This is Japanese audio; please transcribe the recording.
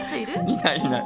いないいない！